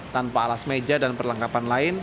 tanpa alas meja dan perlengkapan lain